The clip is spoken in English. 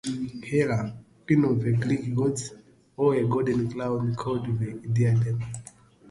Hera, queen of the Greek gods, wore a golden crown called the diadem.